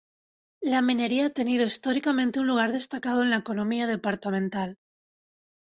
La minería ha tenido históricamente un lugar destacado en la economía departamental.